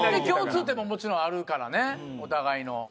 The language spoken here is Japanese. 共通点ももちろんあるからねお互いの。